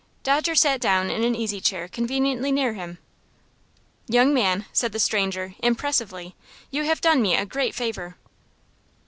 Dodger sat down in an easy chair conveniently near him. "Young man," said the stranger, impressively, "you have done me a great favor."